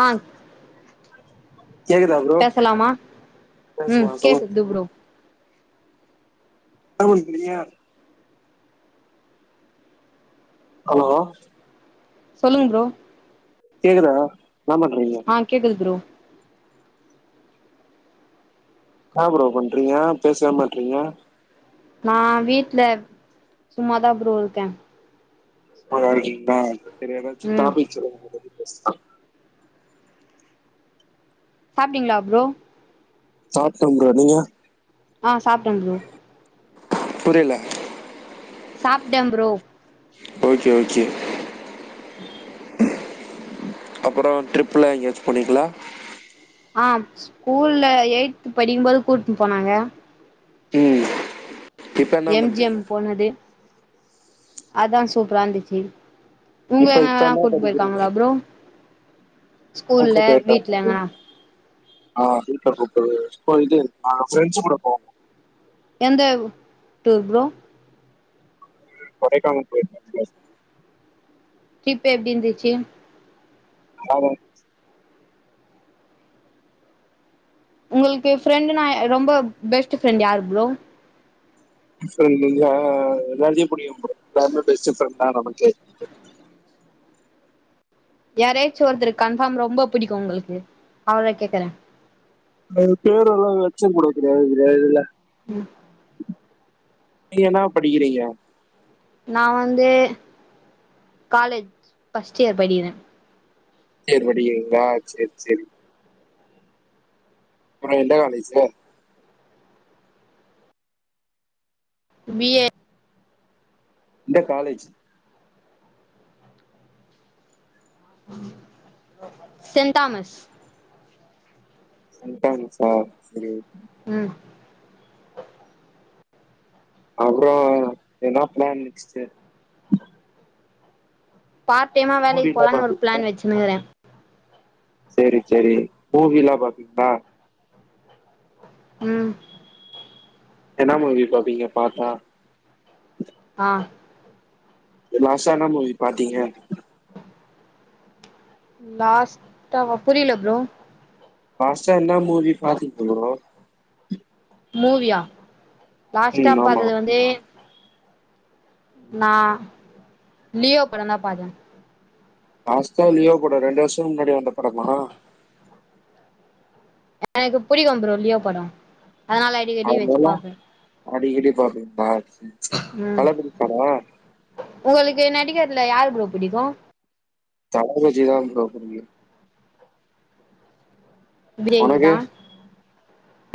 ஆ கேக்குதா ப்ரோ பேசலாமா பேசலா ம் சொல்லுங்க கேக்குது ப்ரோ என்ன பண்றீங்க ஹலோ சொல்லுங்க ப்ரோ கேக்குதா என்ன பண்றீங்க ஆ கேக்குது ப்ரோ என்ன ப்ரோ பண்றீங்க பேசவே மாட்றீங்க நா வீட்ல சும்மாதா ப்ரோ இருக்கே சும்மாதா இருக்கீங்களா செரி ஏதாச்சு ம் டாபிக் சொல்லுங்க அத பத்தி பேசலா சாப்டீங்களா ப்ரோ சாப்டே ப்ரோ நீங்க ஆ சாப்ட்டே ப்ரோ புரியல சாப்டே ப்ரோ ஓகே ஓகே [unintelligible] அப்பறோ ட்ரிப்புலா எங்கயாச்சு போனீங்களா ஆ ஸ்கூல்ல எய்ட்த்து படிக்கும்போது கூட்டுன்னு போனாங்க ம் இப்ப என்ன எம் ஜி எம் பண்றீங்க போனது அதா சூப்பராயிருந்துச்சு உங்கள இப்ப இப்ப எங்கல்லா என்ன கூட்டிட்டு படிக்கிறீங்க போயிருக்காங்களா ப்ரோ ஸ்கூல்ல கூப்பிட்டு வீட்ல போயிருக்காங்க. எங்கனா ஆ ஹெல்பர் கூப்ட்டது இப்போ இது ஆ பிரெண்ட்ஸ் கூட போவோ எந்த டூர் ப்ரோ கொடைக்கானல் போயிருக்கே ப்ரோ டரிப் எப்டி இருந்துச்சு [unintelligible] உங்களுக்கு ஃப்ரெண்டுனா ரொம்ப பெஸ்ட்டு ஃப்ரெண்டு யாரு ப்ரோ ப்ரெண்டுனா எல்லாத்தையு புடிக்கு ப்ரோ எல்லாருமே பெஸ்ட்டு ஃப்ரெண்ட் தா நமக்கு யாரையாச்சு ஒருதுருக்கு கன்ஃபார்ம் ரொம்ப புடிக்கு உங்களுக்கு அவள கேக்குறே அவரு பேர் எல்லா வெச்சன் கொ [unintelligible] ம் நீ என்னா படிக்கிறீங்க நா வந்து காலேஜ் பஃஸ்ட் இயர் படிக்கிறே பர்ஸ்ட் இயர் படிக்கீங்களா சேர் சேரி அப்பறோ எந்த காலேஜ்ஜு பி ஏ எந்த காலேஜ் சென் தாமஸ் சென் தாமஸ்சா சரி ஓ ம் அப்பறோ என்ன ப்ளான் நெக்ஸ்ட்டு பார்ட் டைம்மா வேலைக்கு மூவிலாம் போலான்னு ஒரு பாப்பீங்களா ப்ளான் வச்சுன்னுக்கிறே சரி சரி மூவிலா பாக்கீங்கன்னா ம் என்னா மூவி பாப்பீங்க பாத்தா ஆ லாஸ்ட்டா என்னா மூவி பாத்தீங்க லாஸ்ட்டாவா புரியல ப்ரோ லாஸ்ட்டா என்ன மூவி பாத்தீங் ப்ரோ மூவியா லாஸ்ட்டா ம் ஆமா பாத்தது வந்து நா லியோ படந்தா பாத்த லாஸ்ட்டா லியோ பட ரெண்டு வருஷ முன்னாடி வந்த படமா எனக்கு புடிக்கும் ப்ரோ லியோ பட அதனால அடிக்கடி வச்சு அதனல்லா பாப்பே அடிக்கடி பாப்பீங்களா ம் தலபிடிக்காத உங்களுக்கு நடிக்கிறதுல யாரு ப்ரோ புடிக்கு தலபஜிதா ப்ரோ புடிக்கு பிரியாணி உனக்கு? தா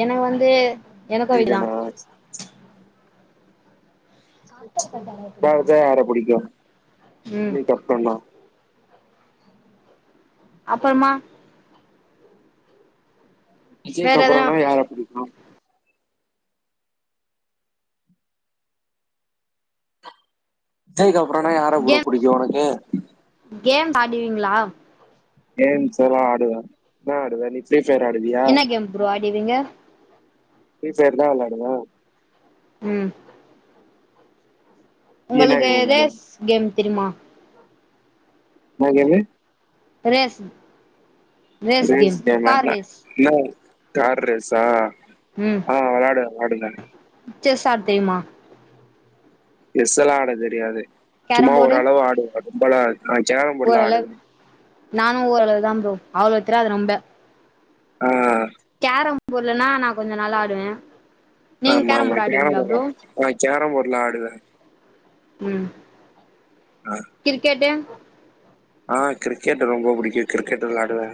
எனக்கு வந்து எனக்கு விஜய் தா நீஜனா [unintelligible] யார புடிக்கு ம் [unintelligible] கப்பனா அப்பறமா வேற விஜய்க்கு எதனா அப்பறன்னா யார புடிக்கு விஜய்க்கு அப்பறம்னா யார ப்ரோ கேம் புடிக்கு உனக்கு கேம் ஆடிவீங்களா கேம்ஸ் எல்லா ஆடுவ நா ஆடுவ நீ ஃரீ ஃபயர் ஆடுவியா என்ன கேம் ப்ரோ ஆடுவீங்க ஃப்ரீ ஃபயர் தா வெளாடுனா ம் நீ என்ன உங்களுக்கு கேம் விளையாடுவ? ரேஸ் கேம் தெரியும்மா என்னா கேம்மு ரேஸ் ரேஸ் கேம் கேம்னா கார் என்ன ரேஸ் ம் கார் ரேசா ஆ வெளயாடுங்க வெளயாடுங்க மிச்சர் சாப்டேமா செஸ் எல்லா ஆட தெரியாது சும்மா கேரம் போர்டு ஓரளவு ஆடுவே ரொம்பல்லா நா சேரம்போடெல்லா ஆடுவே ஓரளவு நானு ஓரளவு தா ப்ரோ அவ்ளவு தெரியாது ரொம்ப ஆ கேரம் போருலன்னா நா கொஞ்சோ நல்லா ஆடுவே நீங்க ஆமா ஆமா போர்டு கேரம் ஆடுவீங்களா ப்ரோ போர்ட்லா நா சேரம் போர்ட்லா ஆடுவே ம் ஆ கிரிக்கெட்டு ஆ கிரிக்கெட் ரொம்ப புடிக்கு கிரிக்கெட் வெளாடுவே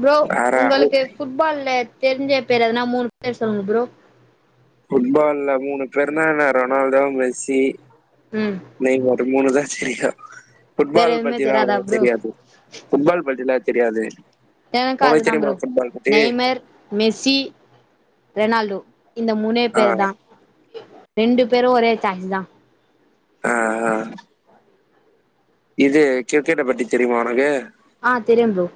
ப்ரோ உங்களுக்கு எதுக்கும் ஃபுட்பால்ல தெரிஞ்ச பேர் எதுனா மூணு பேர் சொல்லுங்க ப்ரோ ஃபுட்பால்ல மூணு பேருனா என்ன ரொனால்டோ மெஸ்ஸி ம் நெய் மார் மூணு தா தெரியு வேற ஃபுட்பால் எதுவுமே பத்தினா தெரியாதா அவ்ளவா ப்ரோ தெரியாது ஃபுட்பால் பத்திலா தெரியாது எனக்கு ஒனக்கு அதுதா ப்ரோ தெரியுமா ஃபுட்பால் பத்தி நெய்மர் மெஸ்ஸி ரெனால்டோ இந்த மூணே ஆ பேரு தா ரெண்டு பேரு ஒரே சான்ஸ் தா அ அ இது கிரிக்கெட்ட பத்தி தெரியுமா ஒனக்கு ஆ தெரியு ப்ரோ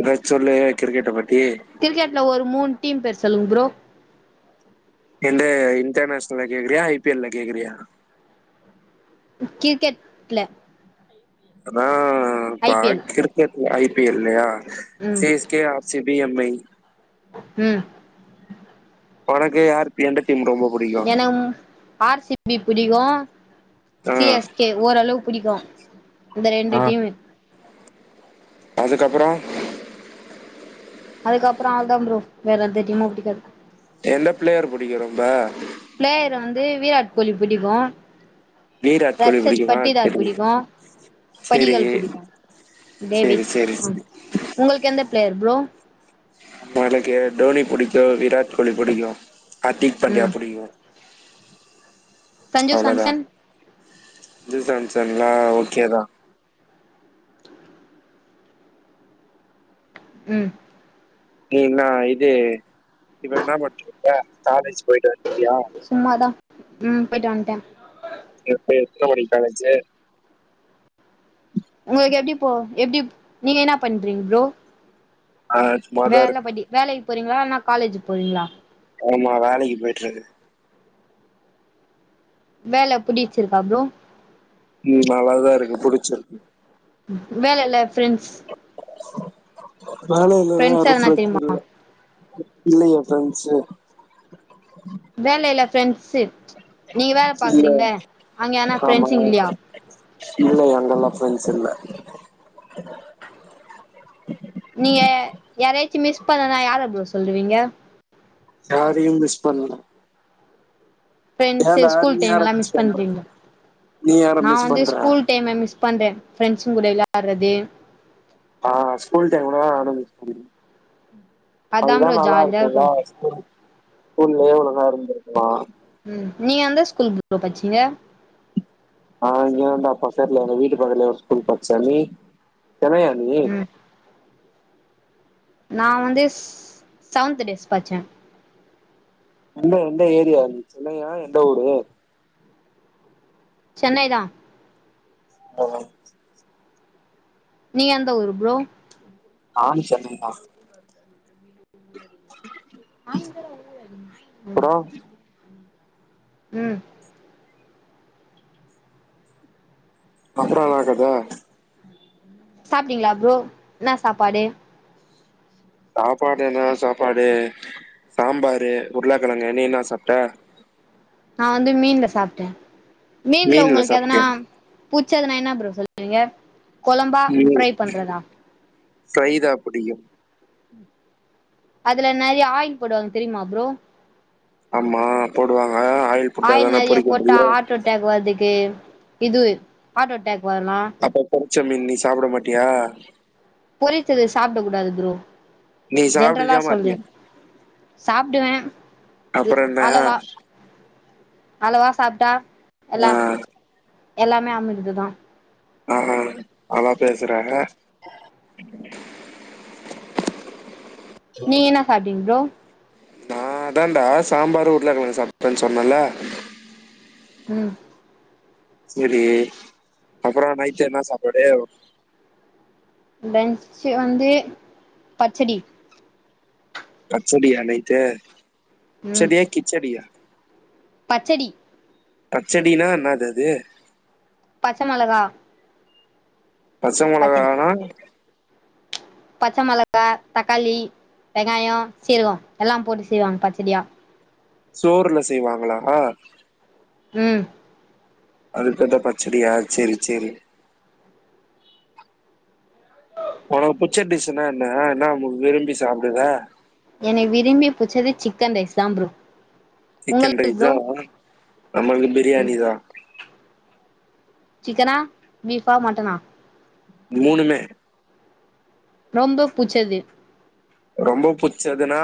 ஏதாச்சு சொல்லு கிரிக்கெட்ட பத்தி கிரிக்கெட்ல ஒரு மூணு டீம் பேர் சொல்லுங்க ப்ரோ எந்த இன்டர்நேஷன்ல்ல கேக்றியா ஐ பி எல் ல கேக்றியா கிரிக்கெட்ல அதா ஐ பா பி எல் கிரிக்கெட்ல ஐ பி எல் லயா ம் சீ எஸ் கே ஆப் சி பி எம் ஐ ம் ஒனக்கு யார் எந்த டீம் ரொம்ப புடிக்கு எனக்கு ஆர் சி பி புடிக்கு ஆ சி எஸ் கே ஓரளவு புடிக்கு இந்த ரெண்டு டீமு அதுக்கப்றோ அதுக்கப்றோ அதா ப்ரோ வேற எந்த டீமு புடிக்காது எந்த ப்ளேயர் புடிக்கு ரொம்ப ப்ளேயர் வந்து வீராட் கோலி பிடிக்கு வீராட் கோலி ரட்சத் புடிக்குமா பட்டிதார் சரி புடிக்கு சேரி படிகள் புடிக்கு சேரி டேவிட் சேரி சேரி உங்களுக்கு எந்த பிளேயர் ப்ரோ எனக்கு டோனி புடிக்கு விராட் கோலி புடிக்கு அர்த்திக் பாண்டியா ம் புடிக்கு சஞ்சு அவ்ள தா சாம்சன் [unintelligible] ஜான்ஸன்ல்லா ஒகே தா ம் நீ இன்னா இது இப்ப என்ன படிச்சுருக்க காலேஜ் போய்ட்டு வந்துட்டியா சும்மா தா ம் பொய்ட்டு வந்ட்டே எப்ப எத்ன மணிக் காலேஜ்ஜு உங்கள்க் எப்டி போ எப்டிப் நீங்க என்னா பண்றீங் ப்ரோ ஆச் வேல படி வேலைக் போறீங்ளா னா காலேஜி போறீங்ளா ஆமா வேலைக்கி போய்ட்ருக்கு வேல புடிச்சிருக்கா ப்ரோ ம் நல்லாதா இருக்கு புடிச்சிருக்கு உஉ வேல ல ஃப்ரண்ஸ் வேல ஃப்ரெண்ட்ஸ் இல்லேன்னாரு எதனா ஃப்ரெச் தெரியுமா இல்ல இல்லிங்க ஃப்ரெண்ஸ்ஸு வேலல ஃப்ரெண்ஸ்ஸு நீங்க வேல இல்ல பாக்குறீங்க அங்க யானா ஆமா ஃப்ரெண்ஸுங் இல்யா இல்ல அங்கல்லா ஃப்ரெண்ஸ் இல்ல நீய யாரையாச்சு மிஸ் பண்ணனா யார ப்ரோ சொல்லுவீங்க யாரையும் மிஸ் பண்ணனு ஃப்ரெண்ஸு ஸ்கூல் நீ டைம் யார எல்லா மிஸ் பண்ற பண்றீங்லா நீ யார நா மிஸ் வந்து பண்ற ஸ்கூல் டைம மிஸ் பண்றே ஃப்ரெண்ஸு கூட விளாறதே ஆ ஸ்கூல் டைம்லதா ஆரம்பிச்சுது அதா அதுதா ப்ரோ நல்லா ஜாலியா இருக்குல்ல இருக்கு உல்லயே ஒழுங்கா இருந்திருக்லா ம் நீய எந்த ஸ்கூல் பு பச்சீங்க ஆ இங்க வந்தா பசர்ல வீட்டு பக்கத்லே ஒர் ஸ்கூல் படிச்ச நீ சென்னையா நி ம் நா வந்துஸ் சவன்த்து டேஸ் பச்சே இன எந்த ஏரியா நி சென்னயா எந்த ஊரு சென்னைதா என்னை நீ எந்த ஊரு ப்ரோ நான் சென்னைதா ஆய்ங்கர வள்ளையடிங் ம் ம் அப்புறோ ஆக்கதே சாப்டீங்ளா ப்ரோ ன்னா சாப்பாடு சாப்பாடு என்னா சாப்பாடு சாம்பாரு உருளக்கிழங்கு நீ இன்னா சாப்ட்ட நா வந்து மீன்ல சாப்ட்டே மீன்ல உங்ளுக் எதனா புச்சதுனா என்ன ப்ரோ சொல்வீங்க மீன் ஃப்ரைதா புடிகும் அதுல நறியா ஆய்ல் போடுவாங் தெரியுமா ப்ரோ ஆமா போடுவாங்க ஆயில் போட்டாதான நறையா பொறிக்க போட்டா முடியு ஹாட் டட்டாக் வர்துக்கே இதுவு ஹாட் அட்டேக் வர்லா அப்ப பொரிச்ச மீன் நீ சாப்பிட மாட்டியா பொரித்தது சாப்ட கூடாது ப்ரோ நீ ஜென்ரலா சாப்டுவியா சொல்லே மாட்டியா சாப்டுவே து அப்புற என்ன அளவா அளவா சாப்ட்டா எல்லா ஆ எல்லாமே அமிர்துதா ஆஹா நல்லா பேசுற நீ என்னா சாப்ட்டீங் ப்ரோ நா அதான்டா சாம்பாரு உருளக்கிழகு சாப்டேன் சொன்னல்ல ம் செரி அப்பற நைட்டு என்ன சாப்பாடு லன்ச்சு வந்து பச்சடி பச்சடியா நைட்டு ம் பச்சடியா கிச்சடியா பச்சடி பச்சடினா என்னாது அது பச்ச மொளகா பச்ச பச்சடி மொளகானா பச்ச மொளகா தக்காளி வெங்காய சீரக எல்லாம் போட்டு செய்வாங்க பச்சடியா சோறுல செய்வாங்களா ம் அதுக்கு பேருதா பச்சடியா செரி செரி உனக்கு புச்ச டிஸ்ஸுனா என்ன என்ன விரும்பி சாப்பிடுவ என்னை விரும்பி புச்சது சிக்கன் ரைஸ்தா ப்ரோ சிக்கன் உங்களுக்கு ரைஸா ப்ரோ நம்மளுக்கு ம் பிரியாணிதா சிக்கனா பீஃபா மட்டனா மூணுமே ரொம்ப புச்சது ரொம்ப புச்சதுனா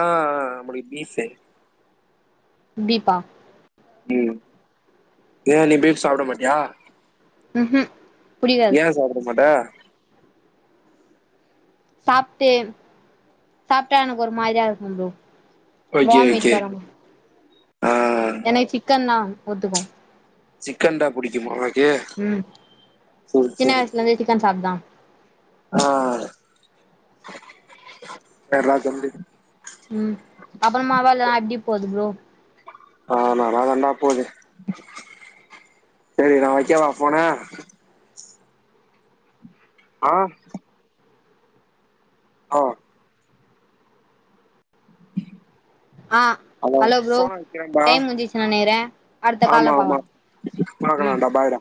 நமளுக் பீஃபு பீபா ம் ஏ நீ பீஃப் சாப்பிட மாட்டியா ம்ஹும் புடிக்காது ஏ சாப்பட மாட்ட சாப்ட்டு சாப்ட்டா எனக்கு ஒரு மாரியா இருக்கும் ப்ரோ ஓகே வாமிட் ஓகே வர மாரி ஆ எனக்கு சிக்கன்னா ஒத்துக்கு சிக்கன்தா புடிக்குமா ம் சேரி சின்ன சேரி வயசுலந்தே சிக்கன் சாப்தா ஆ எல்லா கம்பிம் ம் அப்பறமா வேலல்லா எப்படி போது ப்ரோ ஆ நல்லாதண்டா போது சேரி நா வெக்கவா ஃபோன ஆ ஆ ஆ ஹலோ ஃபோன வெக்கிறன்டா டைம் முஞ்சிச்சு நெனைக்கிறே அடுத்த கால்ல ஆமா ஆமா பாக்கலா ம் பாக்கலான்டா பாய்டா